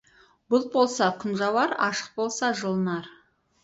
Бұлт болса, күн жауар, ашық болса, жылынар.